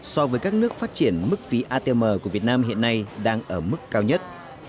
so với các nước phát triển mức phí atm của việt nam hiện nay đang ở mức cao nhất